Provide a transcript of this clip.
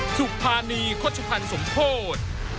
สุภาณีข้อจุภัณฑ์สมโทษ